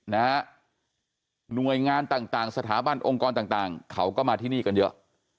หน่วยงานต่างต่างสถาบันองค์กรต่างต่างเขาก็มาที่นี่กันเยอะ